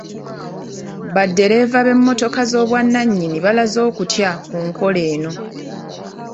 Baddereeva b’emmotoka z'obwannannyini balaze okutya ku nkola eno.